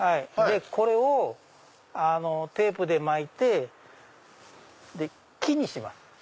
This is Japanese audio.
これをテープで巻いて木にします。